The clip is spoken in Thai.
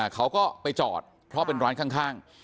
เขาก็ไปจอดเพราะเป็นร้านข้าง